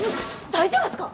大丈夫っすか！？